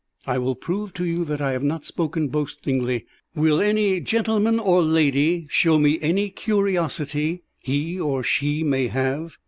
I will prove to you that I have not spoken boastingly. Will any gentleman or lady show me any curiosity he or she may have?"